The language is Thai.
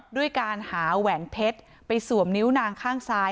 ด้วยการหาแหวนเพชรไปสวมนิ้วนางข้างซ้าย